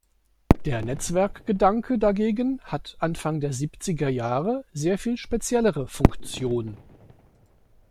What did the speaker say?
Der Netzwerk-Gedanke dagegen hat Anfang der siebziger Jahre sehr viel speziellere Funktion.